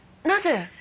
なぜ？